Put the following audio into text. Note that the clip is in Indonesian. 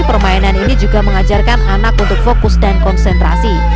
permainan ini juga mengajarkan anak untuk fokus dan konsentrasi